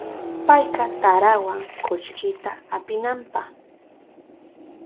Payka tarawan kullkita apinanpa.